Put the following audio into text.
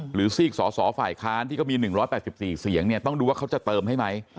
หรือซีกสฝคที่ก็มี๑๘๔เสียงเนี่ยต้องดูว่าเขาจะเติมให้ไหม